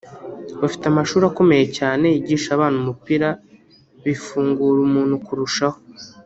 bafite amashuri akomeye cyane yigisha abana umupira bifungura umuntu kurushaho